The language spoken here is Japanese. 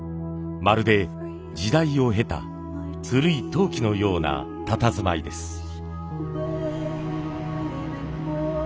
まるで時代を経た古い陶器のようなたたずまいです。